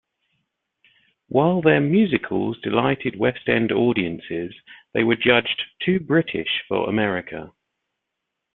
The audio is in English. While their musicals delighted West End audiences, they were judged "too British" for America.